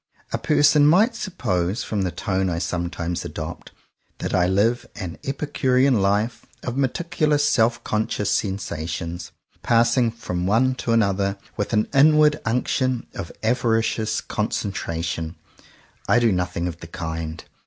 A person might suppose, from the tone I sometimes adopt, that I live an epicurean life of meticulously self conscious sensations, passing from one to another with an inward unction of avaricious con 126 JOHN COWPER POWYS centration. I do nothing of the kind.